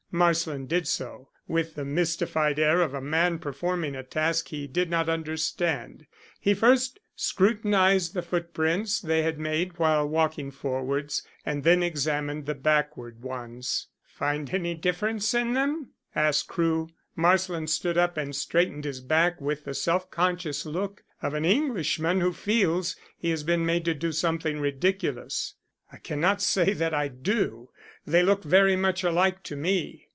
Marsland did so. With the mystified air of a man performing a task he did not understand, he first scrutinized the footprints they had made while walking forwards, and then examined the backward ones. "Find any difference in them?" asked Crewe. Marsland stood up and straightened his back with the self conscious look of an Englishman who feels he has been made to do something ridiculous. "I cannot say that I do. They look very much alike to me."